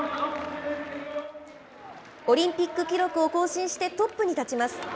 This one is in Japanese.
オリンピック記録を更新して、トップに立ちます。